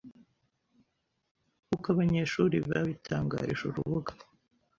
Nkuko abanyeshuri babitangarije urubuga